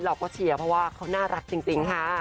เราก็เชียร์เพราะว่าเขาน่ารักจริงค่ะ